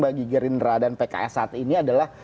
bagi gerindra dan pks saat ini adalah